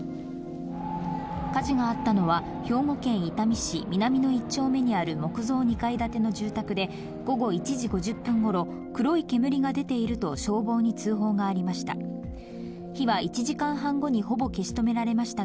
火事があったのは、兵庫県伊丹市南野１丁目にある木造２階建ての住宅で、ごご１時５０分ごろ、黒い煙が出ていると消防に通報がありました。